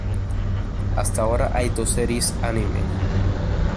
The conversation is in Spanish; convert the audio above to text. Hasta ahora hay dos series anime.